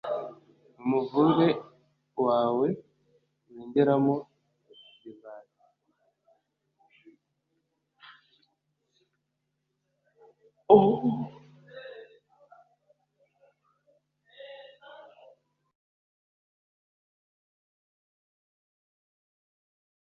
mu muvure wawe wengeramo divayi: